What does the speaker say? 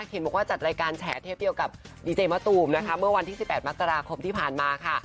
เห็นบอกว่าจัดรายการแฉเทพเดียวกับดีเจมะตูมนะคะเมื่อวันที่๑๘มกราคมที่ผ่านมาค่ะ